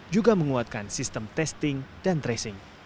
juga menguatkan sistem testing dan tracing